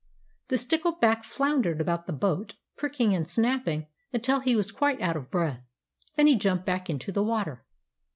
The stickleback floundered about the boat, pricking and snapping until he was quite out of breath. Then he jumped back into the water.